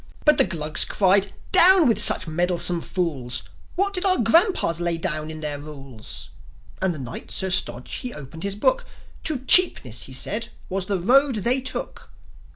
But the Glugs cried, "Down with such meddlesome fools! What did our grandpas lay down in their rules?" And the Knight, Sir Stodge, he opened his Book: "To Cheapness," he said, "was the road they took."